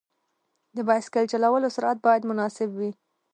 د بایسکل چلولو سرعت باید مناسب وي.